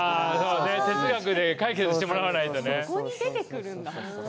哲学で解決してもらわないとね。